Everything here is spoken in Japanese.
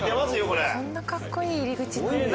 こんなかっこいい入り口なんだ。